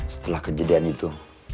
setelah kejadian itu